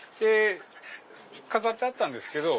飾ってあったんですけど。